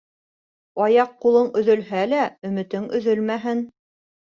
Аяҡ-ҡулың өҙөлһә лә, өмөтөң өҙөлмәһен.